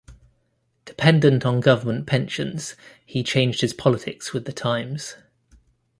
Dependent on government pensions he changed his politics with the times.